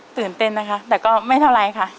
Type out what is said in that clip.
ตื่นเต้นนะคะแต่ก็ไม่เท่าไรค่ะ